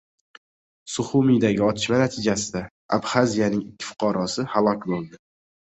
Suxumidagi otishma natijasida Abxaziyaning ikki fuqarosi halok bo‘ldi